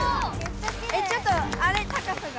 えちょっとあれ高さが。